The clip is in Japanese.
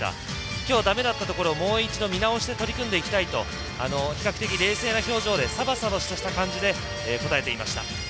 今日、だめだったところを見直して取り組んでいきたいと比較的、冷静な表情でさばさばした感じで答えていました。